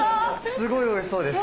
すごいおいしそうです。